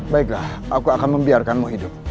baiklah aku akan membiarkanmu hidup